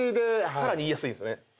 さらに言いやすいですよね。